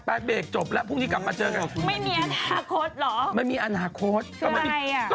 รอคำตอบค่ะรอคำตอบค่ะอะไรรอคำตอบอีกละ